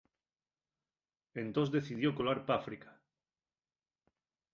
Entós decidió colar p'África.